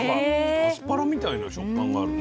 アスパラみたいな食感があるね。